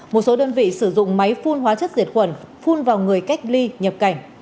một số đơn vị sử dụng máy phun hóa chất diệt khuẩn phun vào người cách ly nhập cảnh